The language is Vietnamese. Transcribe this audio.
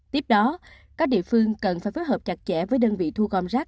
tiếp đó các địa phương cần phải phối hợp chặt chẽ với đơn vị thu gom rác